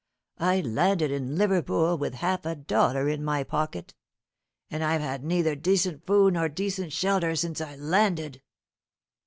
I landed in Liverpool with half a dollar in my pocket, and I've had neither decent food nor decent shelter since I landed.